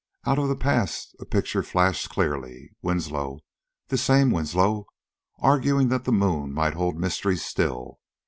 Out of the past a picture flashed clearly: Winslow this same Winslow arguing that the moon might hold mysteries still.